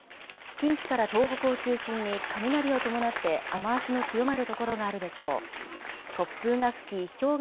近畿から東北を中心に雷を伴って雨足の強まる所があるでしょう。